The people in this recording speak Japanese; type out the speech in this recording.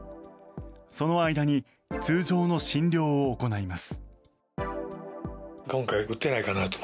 その間に通常の診療を行います。